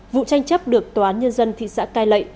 vụ tranh chấp được tòa án nhân dân thị xã cai lệ